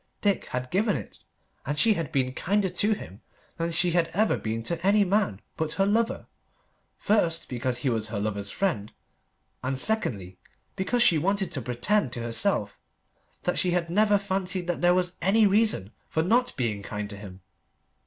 Dick had given it, and she had been kinder to him than she had ever been to any man but her lover first, because he was her lover's friend, and, secondly, because she wanted to pretend to herself that she had never fancied that there was any reason for not being kind to him.